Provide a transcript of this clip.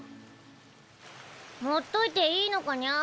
ほっといていいのかニャ？